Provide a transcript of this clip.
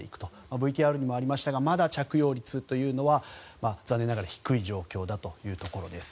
ＶＴＲにもありましたがまだ着用率というのは残念ながら低い状況だということです。